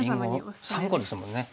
りんご３個ですもんね。